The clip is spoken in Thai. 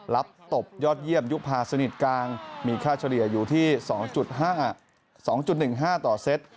ตบยอดเยี่ยมยุภาสนิทกลางมีค่าเฉลี่ยอยู่ที่๒๑๕ต่อเซต